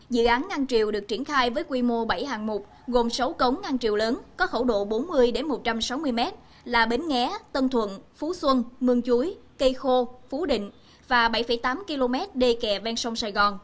dự án ngăn triều được triển khai với quy mô bảy hạng mục gồm sáu cống ngăn triều lớn có khẩu độ bốn mươi một trăm sáu mươi m là bến nghé tân thuận phú xuân mương chuối cây khô phú định và bảy tám km đê kè ven sông sài gòn